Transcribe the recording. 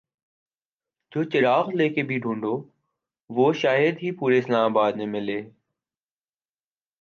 جو چراغ لے کر بھی ڈھونڈو تو شاید ہی پورے اسلام آباد میں ملے ۔